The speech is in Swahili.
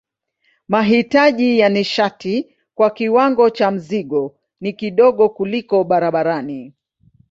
Mahitaji ya nishati kwa kiwango cha mzigo ni kidogo kuliko barabarani.